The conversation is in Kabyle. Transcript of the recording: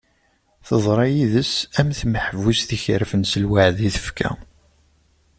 Teḍra yid-s am tmeḥbust ikerfen s lweɛd i tefka.